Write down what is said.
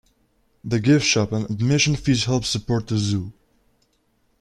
The gift shop and admission fees helped support the zoo.